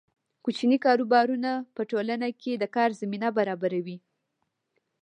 کوچني کاروبارونه په ټولنه کې د کار زمینه برابروي.